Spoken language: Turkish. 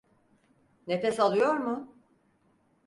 Nefes alıyor mu?